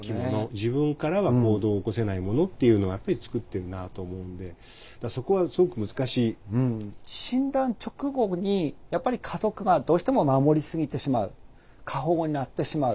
自分からは行動を起こせないものっていうのをやっぱり作ってるなあと思うのでだからそこはすごく難しい。診断直後にやっぱり過保護になってしまう。